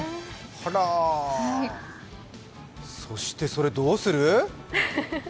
あらそして、それどうする？